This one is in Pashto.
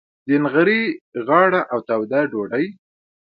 د نغري غاړه او توده ډوډۍ.